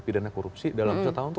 pidana korupsi dalam satu tahun itu